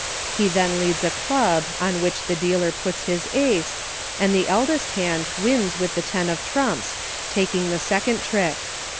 He then leads a club, on which the dealer puts his Ace, and the eldest hand wins with the ten of trumps, making the second trick.